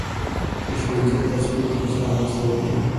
د ښوونځي په درسونو کې ورسره مرسته وکړئ.